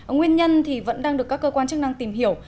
nguyên nhân vẫn đang được các cơ quan chức năng tìm hiểu